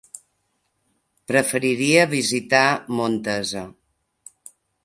Preferiria visitar Montesa.